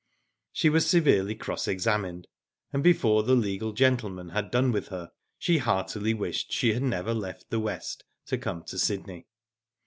She was severely cross examined, and before the legal gentleman had done with her she heartily wished she had never left the West to come to Sydney.